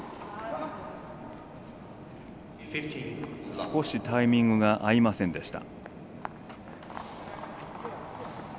少しタイミングが合いませんでした。